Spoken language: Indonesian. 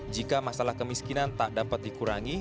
jika masalah kemiskinan tak dapat dikurangi